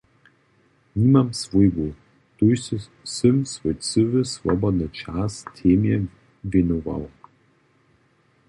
Nimam swójbu, tuž sym swój cyły swobodny čas temje wěnowała.